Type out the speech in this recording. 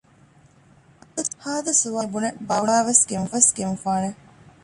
ހާދަ ސުވާލުގިނައޭ ބުނެ ބަވައިވެސް ގެންފާނެ